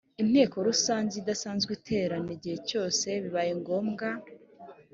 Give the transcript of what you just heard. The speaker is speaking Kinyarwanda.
inteko rusange idasanzwe iterana igihe cyose bibaye ngombwa